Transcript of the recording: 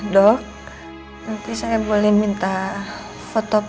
dok nanti saya boleh minta foto print usg nya ya